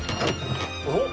おっ。